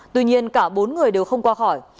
tuy nhiên cả bốn người đều không qua khỏi